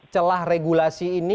celah regulasi ini